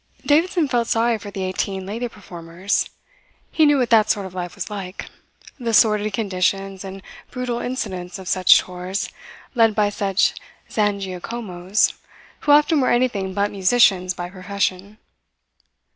Davidson felt sorry for the eighteen lady performers. He knew what that sort of life was like, the sordid conditions and brutal incidents of such tours led by such Zangiacomos who often were anything but musicians by profession.